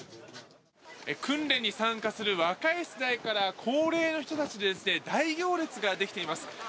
訓練に参加する若い世代から高齢の人たちで大行列ができています。